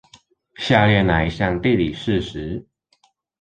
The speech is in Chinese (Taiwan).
下列那一項地理事實